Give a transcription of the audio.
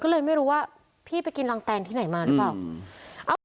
ก็เลยไม่รู้ว่าพี่ไปกินรังแตนที่ไหนมาหรือเปล่า